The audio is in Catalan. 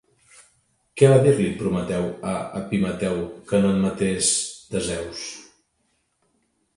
Què va dir-li Prometeu a Epimeteu que no admetés de Zeus?